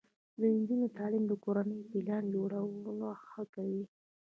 د نجونو تعلیم د کورنۍ پلان جوړونه ښه کوي.